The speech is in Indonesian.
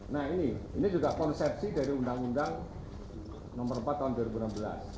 nah ini ini juga konsepsi dari undang undang nomor empat tahun dua ribu enam belas